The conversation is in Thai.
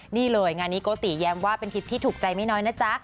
นี่เลยงานนี้โกติแย้มว่าเป็นทริปที่ถูกใจไม่น้อยนะจ๊ะ